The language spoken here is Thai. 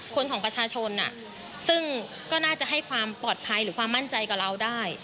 คนของประชาชนซึ่งก็น่าจะให้ความปลอดภัยหรือความมั่นใจกับเราได้